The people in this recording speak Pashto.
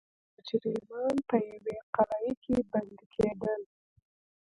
مجرمان به په یوې قلعې کې بندي کېدل.